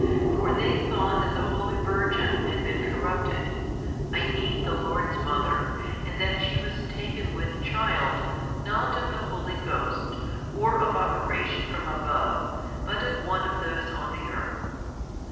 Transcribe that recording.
For they thought that the holy Virgin had been corrupted, I mean the Lord's Mother, and that she was taken with child, not of the Holy Ghost or of operation from above but of one of those on the earth.